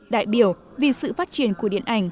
đại biểu vì sự phát triển của điện ảnh